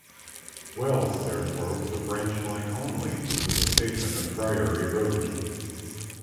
Wells therefore was a branch line only, with the station at Priory Road.